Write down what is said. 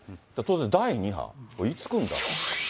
当然第２波、これいつ来るんだと。